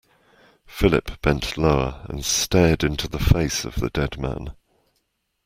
Philip bent lower, and stared into the face of the dead man.